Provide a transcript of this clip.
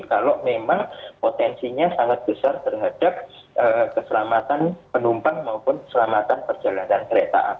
kalau memang potensinya sangat besar terhadap keselamatan penumpang maupun keselamatan perjalanan kereta api